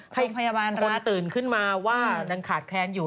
เพราะให้คนตื่นขึ้นมาว่าดังขาดแคลนอยู่